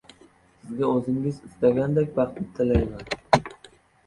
Sizga oʻzingiz istagan baxtni tilayman.